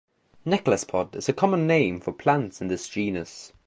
Necklacepod is a common name for plants in this genus.